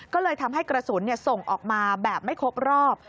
ก็เลยทำให้กระสุนส่งออกมาแบบไม่ครบรอบ